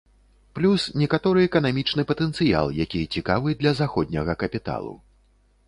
Плюс некаторы эканамічны патэнцыял, які цікавы для заходняга капіталу.